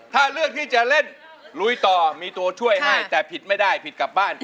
ถ้าเลือกที่จะเล่นลุยต่อมีตัวช่วยให้แต่ผิดไม่ได้ผิดกลับบ้าน